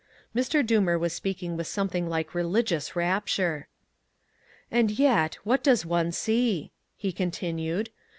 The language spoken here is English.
Mr. Doomer was speaking with something like religious rapture. "And yet what does one see?" he continued.